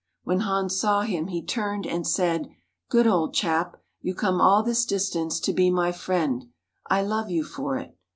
When Han saw him he turned, and said, "Good old chap, you come all this distance to be my friend; I love you for it."